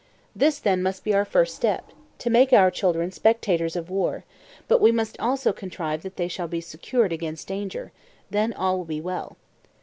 This then must be our first step,—to make our children spectators of war; but we must also contrive that they shall be secured against danger; then all will be well.